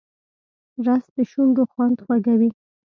رس د شونډو خوند خوږوي